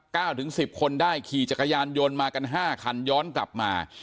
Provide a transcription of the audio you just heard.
ถึงสิบคนได้ขี่จักรยานยนต์มากันห้าคันย้อนกลับมา